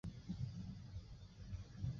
神崎郡是位于日本兵库县中部的郡。